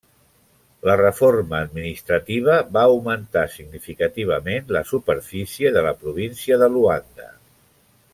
La reforma administrativa va augmentar significativament la superfície de la província de Luanda.